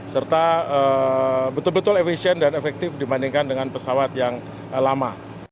serta betul betul efisien dan efektif dibandingkan dengan pesawat yang lama